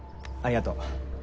ありがとう。